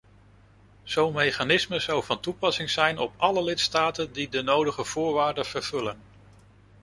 Zo'n mechanisme zou van toepassing zijn op alle lidstaten die de nodige voorwaarden vervullen.